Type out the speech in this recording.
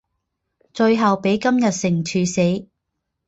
最后被金日成处死。